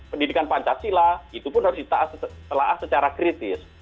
pendidikan pancasila itu pun harus ditelah secara kritis